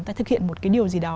ta thực hiện một cái điều gì đó